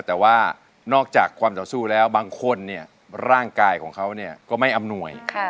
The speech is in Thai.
แต่ว่านอกจากความต่อสู้แล้วบางคนเนี่ยร่างกายของเขาก็ไม่อำนวย